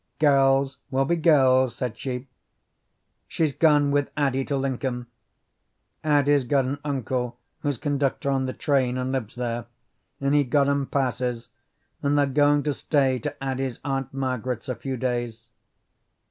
"Girls will be girls," said she. "She's gone with Addie to Lincoln. Addie's got an uncle who's conductor on the train, and lives there, and he got 'em passes, and they're goin' to stay to Addie's Aunt Margaret's a few days.